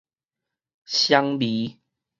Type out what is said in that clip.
雙眉